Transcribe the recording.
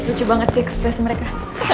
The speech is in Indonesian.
lucu banget sih ekspresi mereka